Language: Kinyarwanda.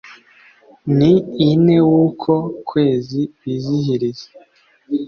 n ine w uko kwezi bizihiriza